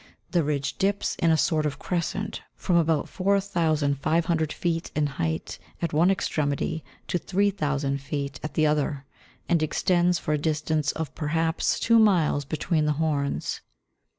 The ridge dips in a sort of crescent from about 4500 feet in height at one extremity to 3000 feet at the other, and extends for a distance of perhaps two miles between the horns.